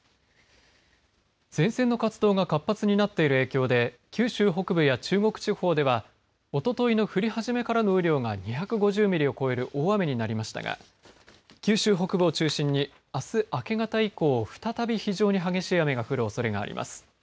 前線の活動が活発になっている影響で九州北部や中国地方ではおとといの降り始めからの雨量が２５０ミリを超える大雨になりましたが九州北部を中心にあす明け方以降再び非常に激しい雨が降るおそれがあります。